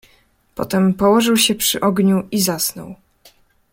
"Potem położył się przy ogniu i zasnął."